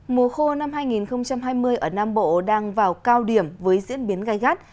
mùa khô năm hai nghìn hai mươi ở nam bộ đang vào cao điểm với diễn biến gai gắt